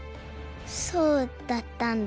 そうだったんだ。